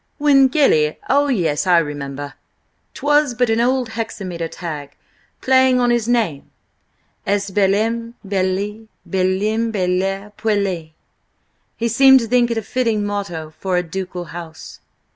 "When Gilly–oh, yes, I remember. 'Twas but an old hexameter tag, playing on his name: 'Est bellum bellis bellum bellare puellis.' He seemed to think it a fitting motto for a ducal house."